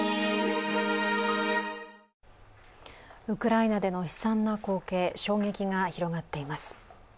ウクライナでの悲惨な光景、衝撃が広がっています。